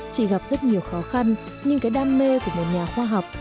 chỉ gặp rất nhiều khó khăn nhưng cái đam mê của một nhà khoa học